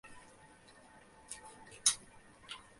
এইতো আমার ছেলে।